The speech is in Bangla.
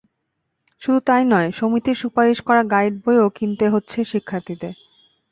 শুধু তা-ই নয়, সমিতির সুপারিশ করা গাইড বইও কিনতে হচ্ছে শিক্ষার্থীদের।